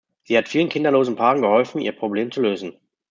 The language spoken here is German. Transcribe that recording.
Sie hat vielen kinderlosen Paaren geholfen, ihr Problem zu lösen.